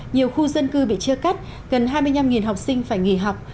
nhiều khu dân cư bị chia cắt gần hai mươi năm học sinh phải nghỉ học